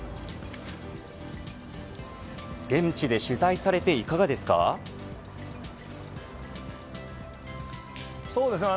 現地で取材されてそうですね。